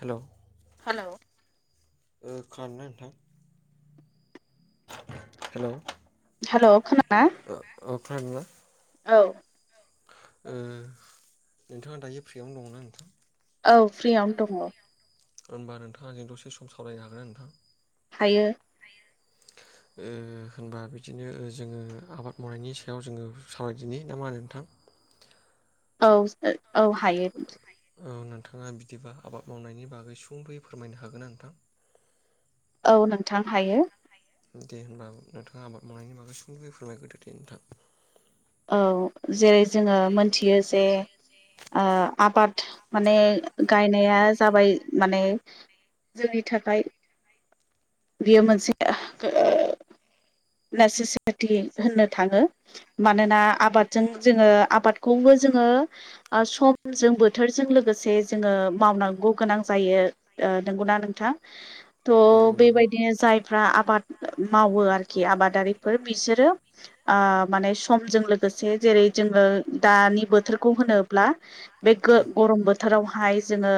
Hello hello ओ खोनादोंना नोंथां हेल' हेल' खोना खोनादोंना? औ नोंथाङा दायो फ्रियावनो दङना नोंथां? औ फ्रिआवनो दं। होनबा नोंथाङा जों दसे सम सावरायनो हागोन ना नोंथां? हायो। [inaudible] ओ होनबा बिदिनो जोङो आबाद मावनायनि सायाव जोङो सावरायदिनो नामा होनो नोंथां। [inaudible] औ औ हायो। औ नोंथाङा बिदिबा आबाद मावनायनि बागै सुंदयै फोरमायनो हागोना नोंथां? औ नोंथां हायो। दे होनबा नोंथाङा आबाद मावनायनि बागै एसे फोरमायग्रोदो दे नोंथां जेरै जोङो मोनथियो जे आबाद माने गायनाया जाबाय माने जोंनि थाखाय बेयो मोनसे [inaudible] नेसेसिटि होननो थाङो मानोना आबादजों जोङो आबादखौबो जोङो समजों बोथोरजों लोगोसे जोङो मावनांगौ गोनां जायो। नोंगौना नोंथां? औ थ' औ नंगौ। बेबायदिनो जायफ्रा आबाद मावो आरोखि आबादारिफोर बिसोरो ओ माने सम जों लोगोसे जेरै जोङो दानि बोथोरखौ होनोब्ला बे उम गो-गरम बोथोराव हायो जोंङो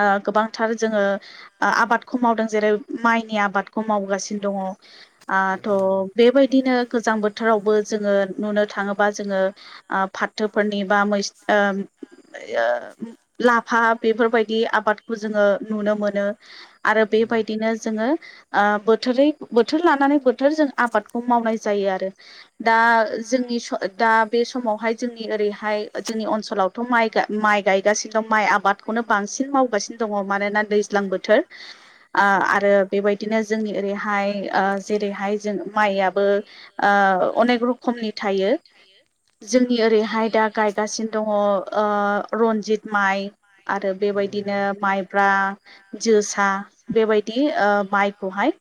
ओ गोबांथार जोंङो आबखौ मावदों। जेरै माइनि आबादखौ मावगासिनो दङ ओ नंगौ नंगौ थ' बेबायदिनो गोजां बोथोराव वबो जोङो नुनो थाङोबा जोङो ओ फाथोफोरनि बा मै ओ लाफा बेफोरबायदि आबादखौ जोङो नुनो मोनो आरो बे नंगौ बेबायदिनो जोङो ओ बोथोरै बोथोर लानानै बोथोर जों आबादखौ मावनाय जायो आरो। दा जोंनि स दा बे समावहाय जोंनि ओरैहाय जोंनि ओनसोलावथ' माइ गा माइ गायगासिनो दं माइ आबादखौनो बांसिन मावगासिनो दङ मानोना दैज्लां बोथोर औ औ। आरो बेबायदिनो जोंनि ओरैहाय जेरैहाय जों माइयाबो ओ ओ अनेख रोखोयनि थायो जोंनि नि ओरैहाय दा गायगासिनो दङ ओ रनजित माइ आरो नंगौ बेबायदिनो नंगौ माइब्रा जोसा बेबायदि ओ माइखौहाय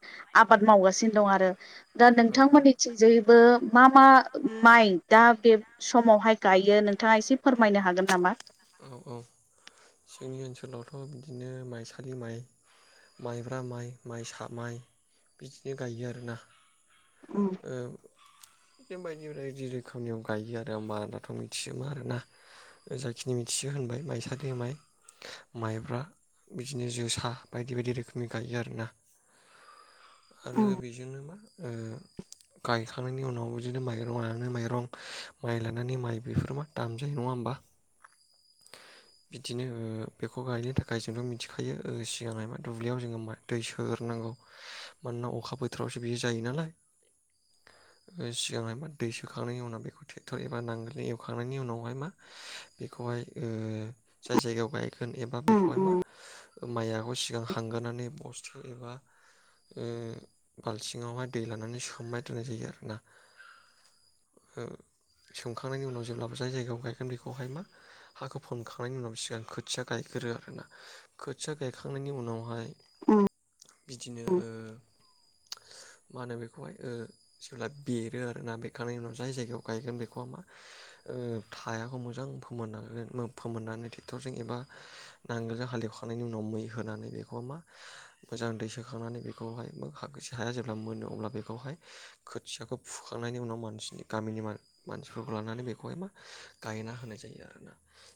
आबाद मावगासिनो दं आरो। दा औ नोंथांमोननिथिंजायैबो मा मा माइ दा बे औ। समावहाय गायो नोंथाङा एसे फोरमायनो हागोन नामा? औ औ जोंनि ओनसोलावथ' बिदिनो माइसालि माइ माइब्रा माइ माइसा माइ बिदिनो गायो आरोना। उम एओ बिदिनो बायदि बायदि रोखोमनियाव गायो आरो आ मा दाथ' मिथियोमा आरोना जाय खिनि मिथियो होनबाय माइसालि माय। माइब्रा बिदिनो जोसा बायदि बायदि रोखोमनि गायो आरोना। आरो उम बेजोंनो मा ओ गायखांनायनि उनाव बिदिनो माइरं लानानै माइरं माइ लानानै माइ बेफोरबा दाम जायो नङा होमबा? [inaudible] बिदिनो ओ बेखौ गायनो थाखाय जोंथ' मिथिखायो ओ सिगांहाय मा दुब्लियाव जोङो मा दै सो होग्रोनांगौ मानोना अखा बोथोरावसो बियो जायो नालाय। सिगांहाय मा दै सोखांनायनि उनाव बेखौ ट्रेक्टर एबा नांगोलै एवखांनायनि उनावहाय मा। बेखौहाय ओ जाय जायगायाव उम उम माइआबो सिगां हांग्रोनानै बस्थु एबा ओ बालथिङावहाय दै लानानै सोमना दोननाय जायो आरोना। सोमखांनायनि उनाव जेब्लाबो जाय जायगायाव गायगोन बेखौहाय मा हाखौ फोनखांनायनि उनाव सिगां खोथिया गायग्रो आरोना खोथिया गायखांनायनि उनावहाय उम बिदिनो ओ मा होनो बेखौहाय ओ जेब्ला बेरो आरोना बेरखांनायनि उनाव जाय जायगायाव गायगोन बेखौह मा ओ थायाखौ मोजां मोननानै फोमोननानै ट्रेक्टरजों एबा नांगोलजों हालेवखांनायनि उनाव मै होनानै बेखौ मा मोजां दै सोखांनानै बेखौहाया जेब्ला मोनो अब्ला बेखौहाय खोथि माखौ फुखांनायनि उनाव मानसिनि गामिनि मानसिफोरखौ लानानै बेखौहाय मा गायना होनाय जायो। आरोना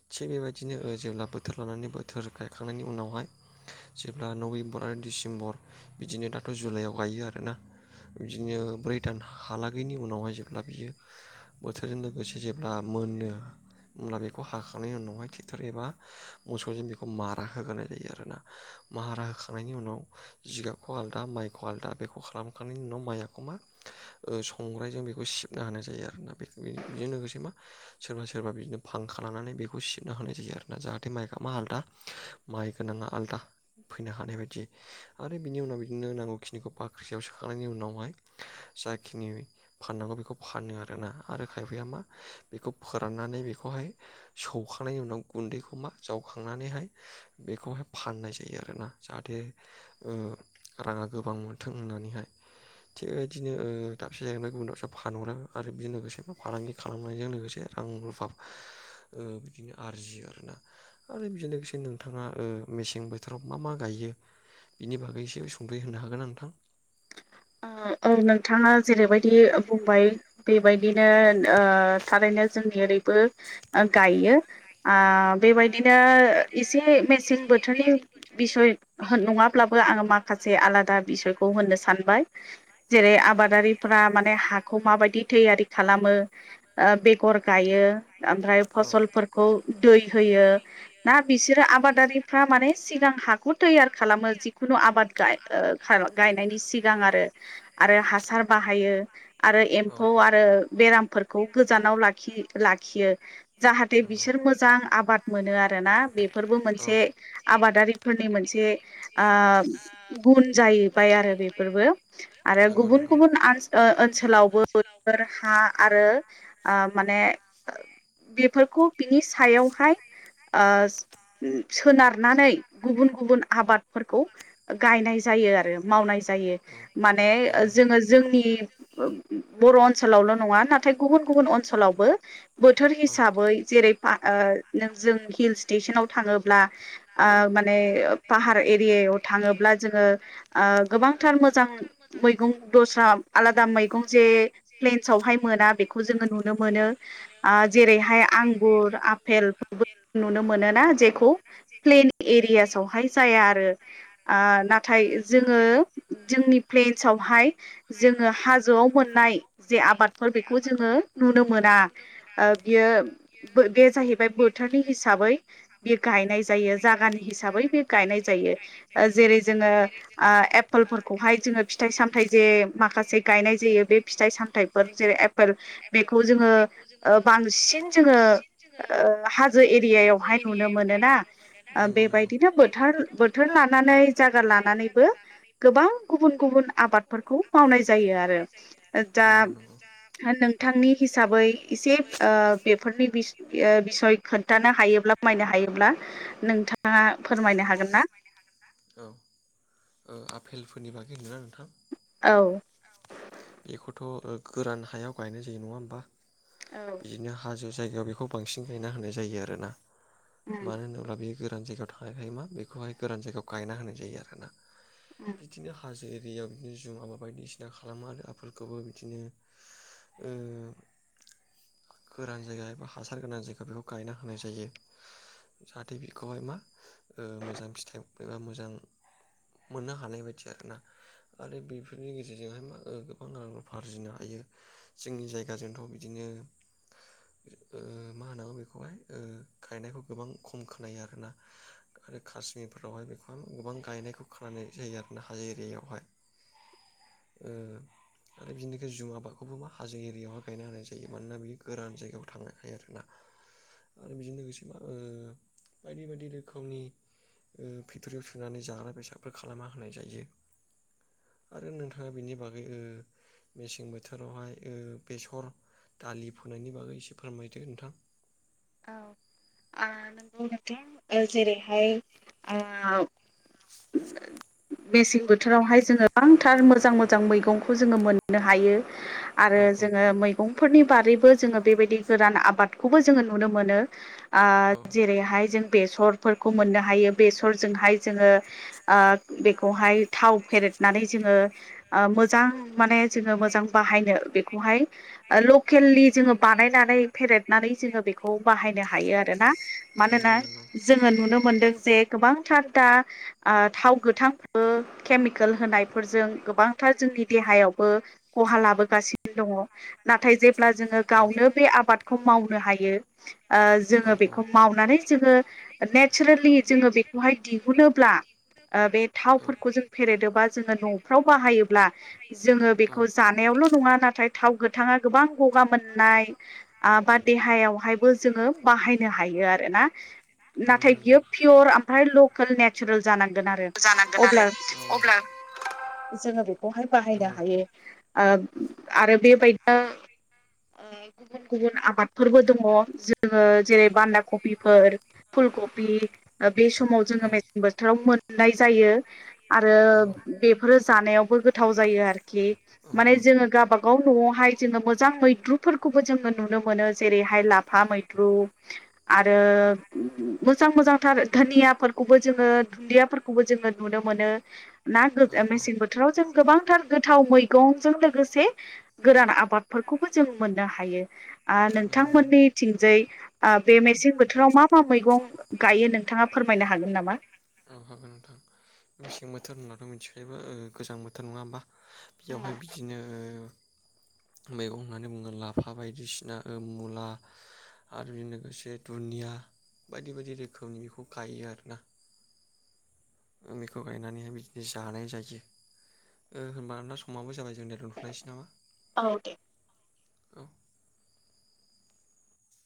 थिग बेबायदिनो जेब्ला बोथोर लानानै बोथोर गायखांनायनि उनावहाय जेब्ला नभेम्बर आरो डिसेम्बर बिदिनो दाथ' जुलाइआव गायो आरोना। बिदिनो ब्रै दानहालागैनि उनावहाय जेब्ला बियो बोथोरजों लोगोसे जेब्ला मोनो। होमब्ला बेखौ हाखांनायनि उनावहाय ट्रेक्ट'र एबा मोसौजों बेखौ मारा होग्रोनाय जायो आरोना। माहारा होखांनायनि उनाव जिगाबखौ आलादा माइखौ आलादा बेखौ खालामखांनायनि उनाव माइखौ माया ओ संग्रायजों बेखौ सिबना हानाय जायो आरोना बेजों लोगोसे मा सोरबा सोरबा बिदिनो फांखा लानानै बेखौ सिबना होनाय जायो आरोना जाहाथे माइगाबा आलादा माइ गोनाङा आलदा। फैनो हानाय बायदि आरो बिनि उनाव बिदिनो नांगौ खिनिखौ बाख्रियाव सोखांनायनि उनावहाय जाखिनि फाननांगौ बेखौ फानो आरोना आरो खायफाया मा बेखौ फोराननानै बे बेखौहाय सौखांनायनि उनाव गुन्दैखौ मा जावखांनानैहाय बेखौहाय फाननाय जायो आरोना जाहाथे राङा गोबां मोनथों होननानैहाय थिग बेबायदिनो दाबसे जायगायावनो गुबुन दाबसे फानहरो आरो बेजों लोगोसे फालांगि खालामनायजों लोगोसे रां रुफा बिदिनो आरजियो आरोना आरो बिजों लोगोसे नोंथाङा मेसें बोथोराव मा मा गायो बिनि बागैसो संख्रि होनो हागोन नोंथां [inaudible] औ नोंथाङा जेरैबायदि बुंबाय बेबायदिनो थारैनो जोंनि ओरै बो गायो ओ बेबायदिनो एसे मेसें बोथोरनि बिसय होन नङाब्लाबो आङो माखासे आलादा बिसयखौ होननो सान बाय जेरै आबाद माने हाखौ माबायदि थैयारि खालामो बेगर गायो फसलफोरखौ ना बिसोरो आबादारिफ्रा माने सिगां हाखौ थैयार खालामो जिखुनु आबाद गाय गायनायनि सिगाङाव आरो हासार बाहायो आरो औ एम्फौ आरो बेरामफोरखौ गोजानाव लाखियो जाहाथे नंगौ बिसोर मोजां आबाद मोनो आरोना बेफोरबो औ मोनसे आबादारिफोरनि मोनसे गुन जाहैबाय आरो बे बेफोरबो आरो नंगौ गुबुन नंगौ गुबुन ओनसोलावबोफोर हा आरो आ माने बेफोरखौ बिनि सायावहाय ओ सोनारनानै गुबुन गुबुन आबादफोरखौ गाय नाय जायो मावनाय औ माने नंगौ जोङो जोंनि बर' ओनसोलावल' नङा नाथाय गुबुन गुब गुबुन ओनसोलावबो बोथोर औ हिसाबै जेरै नों जों हिल स्टेसनाव थाङोब्ला माने पाहार एरियायाव थाङोब्ला जोङो गोबां थार मोजां मैगं दस्रा आलादा मैगं जे प्लेन्सआवहाय मोना बेखौ जों नुनो जैह आंगुर अफेल नुनो मोना जेखौ नाथाय जोङो जोंनि प्लेन्सवहाय जोङो हाजोआव मोननाय जे आबादफोर बेखौ जोङो नुनो मोना बियो बे जाहैबाय बोथोनि हिसाबै बे गनाय जायो ज हिसाबै बे गायनाय जायो जेरै जोङो फलफोरखौहाय जोङो फिथाइ सामथाइ जे माखासे गायनाय जायो बे फिथाइ सामथाइफोर जेरै एपेल बेखौ जोङो बांसिन जोङो [inaudible] हाजो एरियायावहाय नुनो मोनोना नंगौ नंगौ बेबायदिनो बोथोर बोथोर लानानै जायगा लानानैबो गोबां गुबुन गुबुन आबादफोरखौ मावनाय जायो आरो दा नंगौ नंगौ नोंथांनि हिसाबै एसे बेफोरनि बिसय खोन्थानो हायोब्ला फोरमायनो हायोब्ला नोंथाङा फोरमायनो हागोन ना आ आफपेलफोरनि बागै होनदों। औ बेखौथ' गोरान हायाव गायनाय जायो नङा होमबा औ बिदिनो हाजो जायगायाव बेखौ बांसिन गायना होनाय जायो आरोना उम मानो होनोब्ला बे गोरान जायगायाव थांनायखायो मा बेखौहाय गोरान जायगायाव गायना होनाय जायो आरोोना उम बिदिनो हाजो एियाव बिदिनो जुम आबाद बायदिसिना खालामो आरो आफखौबो बिदिनो ओ गोरान जायगा एबा हासार गोरान जायगा बेखौ गायना होनाय जायो जाहाथे बिखौहाय मा ओ मोजां फिथाइ एबा मोजां मोननो हानाय बायदि आरोना आरो बेफोरनि गेजेरजोंहाय मा गोबां रां रुफा आरजिनो हायो जोंनि जायगाजोंथ' बि बिदिनो ओ मा होनांगौ बेखौहाय ओ गायनायखौ गोबां खम खोनायो आरोना आरो काश्मिरफोरावहाय बेखौ गोबां गायनायखौ खोनानाय जायो आरो ना हाजो एरियायावहाय ओ आरो बिनिख जुम आबादखौबो मा हाजो एरियायावहाय गायनो होनानाय जा बियो मानोना बियो गोरान जायगायाव थांनो हायो आरोना आरो बेजों लोगोसे मा बायदि बायदि रोखोमनि फेक्ट'रियाव सुनानै जाग्रा बेसादफोर खालामना होनाय जायो। आरो नोंथाङा बेनि बागै ओ मेसें बोथोरावहाय ओ बेसर दालि फोनायनि बागै एसे फोरमायदो नोंथां औ आ नोंगौ नोंथिं जेरैहाय आ [unintelligible] मेसें बोथोरावहाय जोङो गोबांथार मोजां मोजां मैगंखौ जोङो मोननो हायो। औ आरो औ जोङो मैगंफोरनि बारैबो जोङो बेबायदि गोरान आबादखौबो जोङो नुनो मोनो आ औ जेरैहाय जों बेसरफोरखौ मोननो हायो बेसरजोंहाय जोङो ओ बेखौहाय थाव फेरेद नानै जोङो ओ मोजां माने जोङो मोजां बाहायनो बेखौहाय लकेल नि बानायनानै फेरेदनानै जोङो बेखौ बाहायनो हायो आरोना मानोना नंगौ नंगौ जोङो नुनो मोनदों जे गोबांथार दा आ थाव गोथां ओ केमिकेल होनायफोरजों गोबांथार जोंनि देहायावबो खहा लाबोगासिनो दङ। नाथाय जेब्ला जोङो गावनो बे औ आबादखौ मावनो हायो ओ औ जोङो औ बेखौ मावनानै जोङो नेचारेलि जोङो बेखौहाय दिहुनोब्ला ओ बे थावफोरखौ जों फेरेदोबा जोङो न'फ्राव बाहायोब्ला जोङो बेखौ जानायावल' नङा नाथाय थाव गोथां गोबां गगा मोननाय बा देहायावहायबो जोङो बाहायनो हायो आरोना नंगौ नाथाय नंगौ बियो पियर ओमफ्राय लकेल नेचारेल जानांगोन आरो अब्ला औ जोङो बेखौहाय बाहायनो नंगौ हायो। आ आरो बे बाइदिया उम गुबुन गुबुन आबादफोरबो दङ जोङो जेरै बान्दा कफिफोर फुलकफि बे समाव औ जोङो मेसें बोथोराव मोननाय जायो आरो नंगौ बेफोरो जानायाव बो गोथाव जायो आरो खि औ माने जोङो गावाबागाव न'आवहाय जोङो मोजां मैद्रुफोरखौबो जोङो नुनो मोनो जेरै बेहाय लाफा मैद्रु आरो मोजां मोजांथार धुनियाफोरखौबो जोङो दुन्दियाफोरखौबो जोङो नुनो मोनो ना औ नंगौ मेसें बोथोराव जों गोबांथार गोथाव मै गंजों लोगोसे गोरान आबादफोरखौबो जों मोननो हायो आ नंगौ नोंथांमोननि थंजै बे मेसें बोथोराव मा मा मैगं गायो नोंथाङा फोरमायनो हागोन नामा? औहागोन नोंथां मेसें बोथोर होननाथ' मिथिखायोा गोजां बोथोर नङा होमबा? बेयावहाय बिदिनो ओ मैगं होननानै बुङो लाफा बायदिसिना ओ मुला आरो बेजों लोगोसे दुदिया बायदि बायदि रोखोमनि बेखौ गायो आरोना [unintelligible] मेखौ गायनानैहाय बिदिनो जानाय जायो ओ होनबा ना समाबो जाबाय जोंनिया दोनथनायसै नामा औ दे औ